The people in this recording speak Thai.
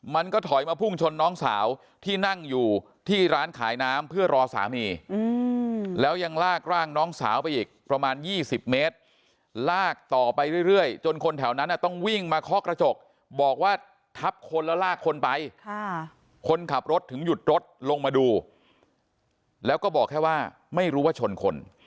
มันก็ถอยมาพุ่งชนน้องสาวที่นั่งอยู่ที่ร้านขายน้ำเพื่อรอสามีแล้วยังลากร่างน้องสาวไปอีกประมาณ๒๐เมตรลากต่อไปเรื่อยจนคนแถวนั้นต้องวิ่งมาเคาะกระจกบอกว่าทับคนแล้วลากคนไปคนขับรถถึงหยุดรถลงมาดูแล้วก็บอกแค่ว่าไม่รู้ว่าชนคน